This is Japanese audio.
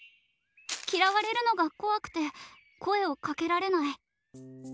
嫌われるのが怖くて声をかけられない。